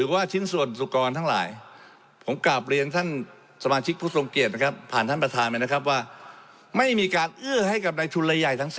ไม่ว่าจะเป็นสุกรเนื้อเป็น